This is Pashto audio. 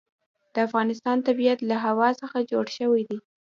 د افغانستان طبیعت له هوا څخه جوړ شوی دی.